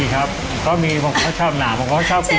ใช่เคยมีคนแบบว่ารอดหม่ามันกินอย่างเดียวไหมพี่อ้นน